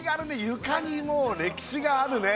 床にもう歴史があるね